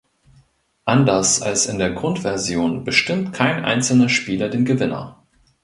Anders als in der Grundversion bestimmt kein einzelner Spieler den Gewinner.